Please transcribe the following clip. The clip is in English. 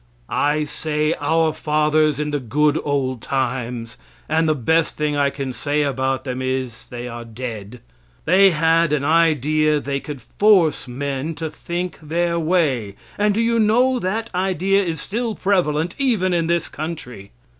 I say our fathers, in the good old times and the best thing I can say about them is, they are dead they had an idea they could force men to think their way, and do you know that idea is still prevalent even in this country?